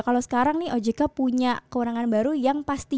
kalau sekarang nih ojk punya kewenangan baru yang pasti